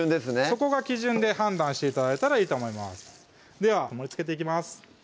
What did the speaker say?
そこが基準で判断して頂いたらいいと思いますでは盛りつけていきます